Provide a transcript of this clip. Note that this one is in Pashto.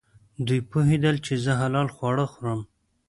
دوی پوهېدل چې زه حلال خواړه خورم.